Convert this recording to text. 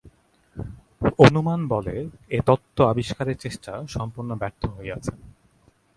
অনুমান-বলে এ তত্ত্ব আবিষ্কারের চেষ্টা সম্পূর্ণ ব্যর্থ হইয়াছে।